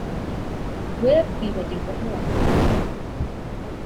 we kwibagirwa aho wavuye